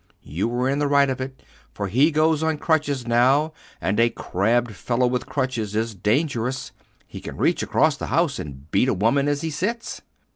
You were in the right of it, for he goes on crutches now, and a crabbed fellow with crutches is dangerous; he can reach across the house and beat a woman as he sits."